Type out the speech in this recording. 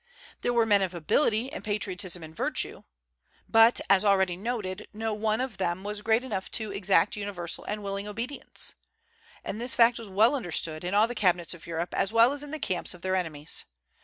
There were men of ability and patriotism and virtue; but, as already noted, no one of them was great enough to exact universal and willing obedience. And this fact was well understood in all the cabinets of Europe, as well as in the camps of their enemies.